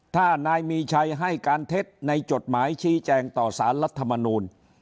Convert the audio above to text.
ถ้านายมีชัยให้การเท็จในจดหมายชี้แจงต่อสารรัฐมนูล